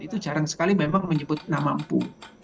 itu jarang sekali memang menyebut nama empu